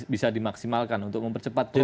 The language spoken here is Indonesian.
bisa dimaksimalkan untuk mempercepat proses